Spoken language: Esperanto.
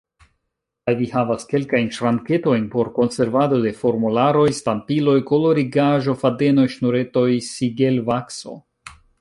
Kaj vi havas kelkajn ŝranketojn por konservado de formularoj, stampiloj, kolorigaĵo, fadenoj, ŝnuretoj, sigelvakso.